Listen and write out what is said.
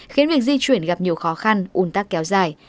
khiến việc di chuyển gặp nhiều khó khăn un tắc kéo dài